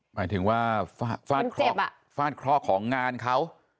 หมายถึงว่าฟาดเคราะห์ของงานเขา